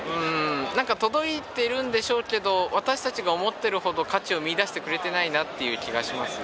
なんか届いているんでしょうけど私たちが思っているほど価値を見いだしてくれていないなという気がします。